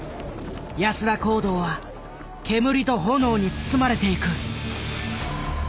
安田講堂は煙と炎に包まれていく。